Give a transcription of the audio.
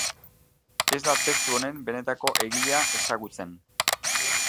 Ez da testu honen benetako egilea ezagutzen.